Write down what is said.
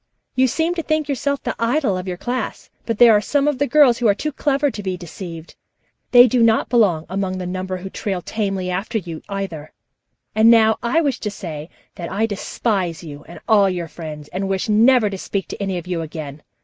"You seem to think yourself the idol of your class, but there are some of the girls who are too clever to be deceived. They do not belong among the number who trail tamely after you, either. And now I wish to say that I despise you and all your friends, and wish never to speak to any of you again.